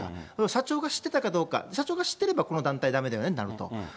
社長が知ってたかどうか、社長が知ってればこの団体だめだよねとなると。